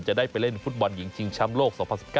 จะได้ไปเล่นฟุตบอลหญิงชิงแชมป์โลก๒๐๑๙